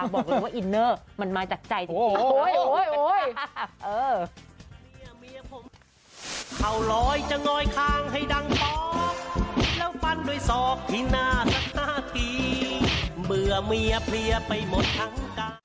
บอกเลยว่าอินเนอร์มันมาจากใจจริง